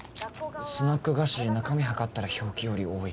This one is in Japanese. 「スナック菓子中身量ったら表記より多い」